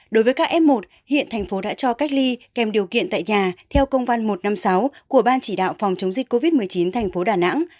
đối với các f một hiện thành phố đã cho cách ly kèm điều kiện tại nhà theo công văn một trăm năm mươi sáu của ban chỉ đạo phòng chống dịch covid một mươi chín thành phố đà nẵng